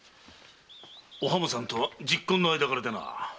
お浜さんとは昵懇の間柄でな。